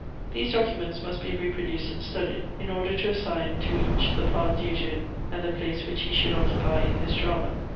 These documents must be reproduced and studied, in order to assign to each the part due to him and the place which he should occupy in this drama.